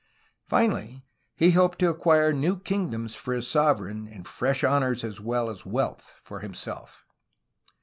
Finally, he hoped to acquire new kingdoms for his sovereign and fresh honors as well as wealth for himself.